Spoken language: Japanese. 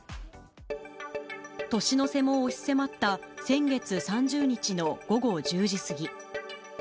年の瀬も押し迫った先月３０日の午後１０時過ぎ。